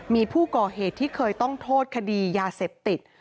มีผู้ก่อเหตุที่เคยต้องโทษคดียาเสพติด